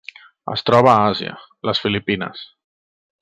Es troba a Àsia: les Filipines.